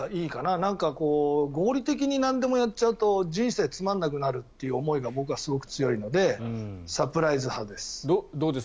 なんか、合理的になんでもやっちゃうと人生つまらなくなるという思いが僕はすごく強いのでサプライズ派です。